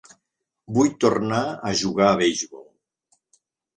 Vull tornar a jugar a beisbol.